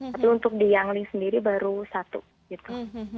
tapi untuk di yangli sendiri baru satu